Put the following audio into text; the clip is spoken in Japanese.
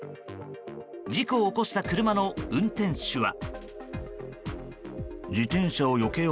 事故を起こした車の運転手は。